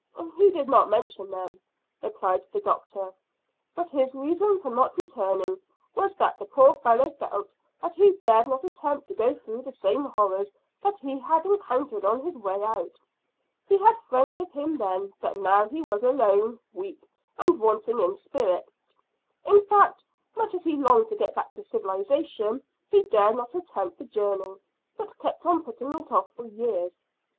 "He did not mention them," replied the doctor; "but his reason for not returning was that the poor fellow felt that he dared not attempt to go through the same horrors that he had encountered on his way out. He had friends with him then, but now he was alone, weak, and wanting in spirit. In fact, much as he longed to get back to civilisation, he dared not attempt the journey, but kept on putting it off for years."